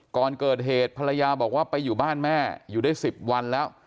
ก่อนเกิดเหตุภรรยาบอกว่าไปอยู่บ้านแม่อยู่ได้๑๐วันแล้ว